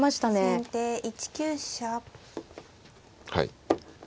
はい。